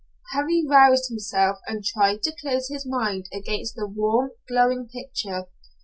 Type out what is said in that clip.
Harry roused himself and tried to close his mind against the warm, glowing picture.